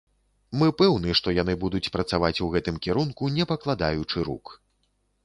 Мы пэўны, што яны будуць працаваць у гэтым кірунку не пакладаючы рук.